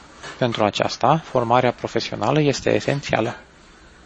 Pentru aceasta, formarea profesională este esențială.